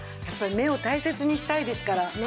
やっぱり目を大切にしたいですから。